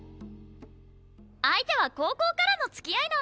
相手は高校からの付き合いなんで。